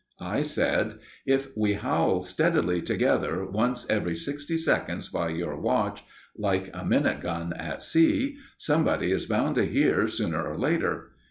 I said: "If we howl steadily together once every sixty seconds by your watch, like a minute gun at sea, somebody is bound to hear sooner or later."